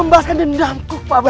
masuklah ke dalam